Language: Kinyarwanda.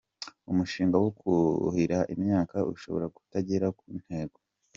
“Umushinga wo kuhira imyaka ushobora kutagera ku ntego”